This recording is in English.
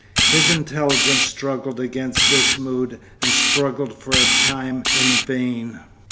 His intelligence struggled against this mood and struggled for a time in vain.